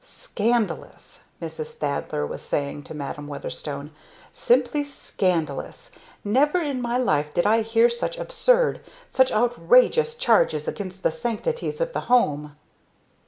"Scandalous!" Mrs. Thaddler was saying to Madam Weatherstone. "Simply scandalous! Never in my life did I hear such absurd such outrageous charges against the sanctities of the home!"